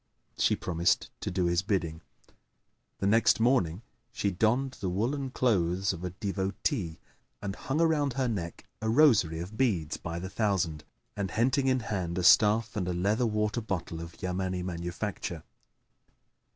She promised to do his bidding; the next morning she donned the woollen clothes of a devotee and hung around her neck a rosary of beads by the thousand; and, henting in hand a staff and a leather water bottle of Yamani manufacture.